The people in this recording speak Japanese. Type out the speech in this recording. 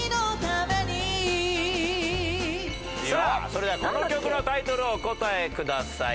それではこの曲のタイトルをお答えください。